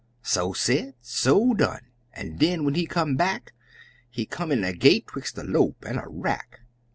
So said, so done! An' den when he come back, He come in a gait 'twix' a lope an' a rack.